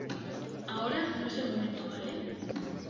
ahora no es el momento, ¿ vale?